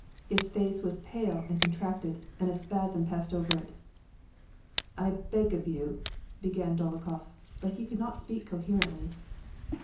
His face was pale and contracted, and a spasm passed over it. " I beg of you "— began Dolokhof, but he could not speak coherently.